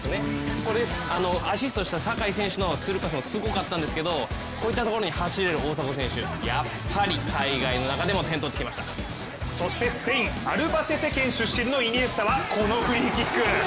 これアシストした酒井選手のスルーパスもすごかったんですけどこういったところに走れる大迫選手、やっぱり海外の中でもそしてスペインアルバセテ県出身のイニエスタは、このフリーキック。